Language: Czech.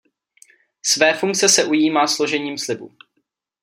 Své funkce se ujímá složením slibu.